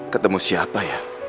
ketemu siapa ya